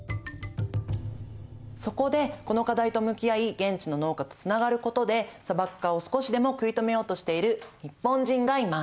そこでこの課題と向き合い現地の農家とつながることで砂漠化を少しでも食い止めようとしている日本人がいます。